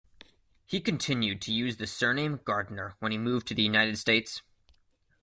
He continued to use the surname Gardiner when he moved to the United States.